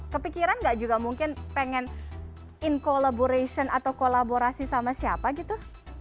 kepikiran nggak juga mungkin pengen incollaboration atau kolaborasi sama siapa gitu